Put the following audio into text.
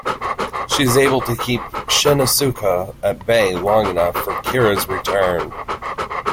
She is able to keep Shinn Asuka at bay long enough for Kira's return.